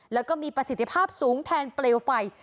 แล้วก็มีประสิทธิภาพสูงแทนเปลวไฟ